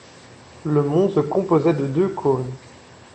Le mont se composait de deux cônes